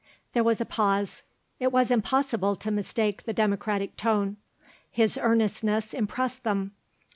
There was a pause. It was impossible to mistake the democratic tone; his earnestness impressed them.